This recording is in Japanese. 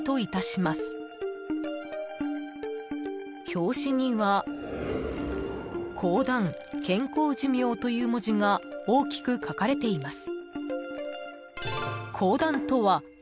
［表紙には講談『健康寿命』という文字が大きく書かれています］